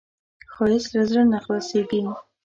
ښایست له زړه نه خلاصېږي